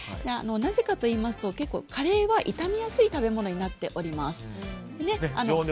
なぜかといいますと、結構カレーは傷みやすい食べ物になっております。